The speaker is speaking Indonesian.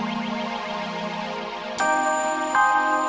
lo usah ikutin gue